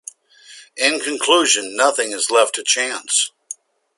In conclusion, nothing is left to chance.